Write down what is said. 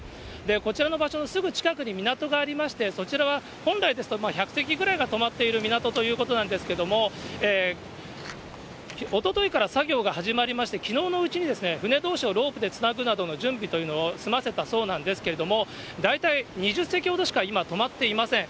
こちらの場所、すぐ近くに港がありまして、そちらは本来ですと１００隻ぐらいが止まっている港ということなんですけれども、おとといから作業が始まりまして、きのうのうちに船どうしをロープでつなぐなどの準備というのを済ませたそうなんですけれども、大体、２０隻ほどしか、今、止まっていません。